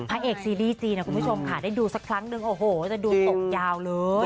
พระเอกซีรีส์จีนนะคุณผู้ชมค่ะได้ดูสักครั้งนึงโอ้โหจะดูตกยาวเลย